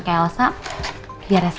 ke elsa biar